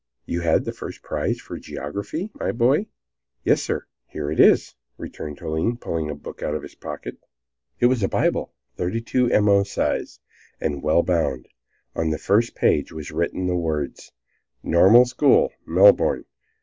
"You had the first prize for geography, my boy?" "Yes, sir. Here it is," returned Toline, pulling a book out of his pocket. It was a bible, 32mo size, and well bound. On the first page was written the words: "Normal School, Melbourne.